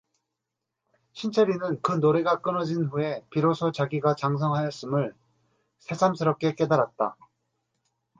신철이는 그 노래가 끊어진 후에 비로소 자기가 장성 하였 음을 새삼스럽게 깨달았다.